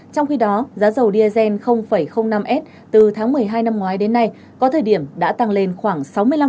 trong khi đó giá dầu diesel năm s từ tháng một mươi hai năm ngoái đến nay có thời điểm đã tăng lên khoảng sáu mươi năm